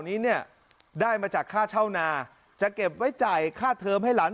นี้เนี่ยได้มาจากค่าเช่านาจะเก็บไว้จ่ายค่าเทอมให้หลาน